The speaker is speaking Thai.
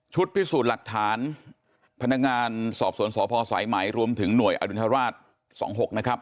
พิสูจน์หลักฐานพนักงานสอบสวนสพสายไหมรวมถึงหน่วยอดุณฑราช๒๖นะครับ